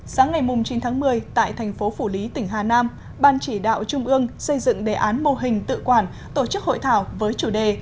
sáng ngày chín tháng một mươi tại thành phố phủ lý tỉnh hà nam ban chỉ đạo trung ương xây dựng đề án mô hình tự quản tổ chức hội thảo với chủ đề